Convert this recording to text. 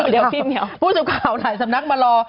เดี๋ยวพุ่งสุข่าวหลายสำนักมารอ